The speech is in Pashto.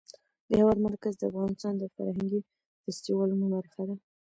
د هېواد مرکز د افغانستان د فرهنګي فستیوالونو برخه ده.